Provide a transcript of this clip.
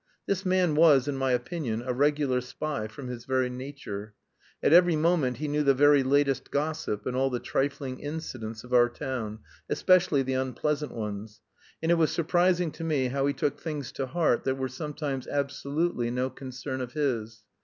This man was, in my opinion, a regular spy from his very nature. At every moment he knew the very latest gossip and all the trifling incidents of our town, especially the unpleasant ones, and it was surprising to me how he took things to heart that were sometimes absolutely no concern of his.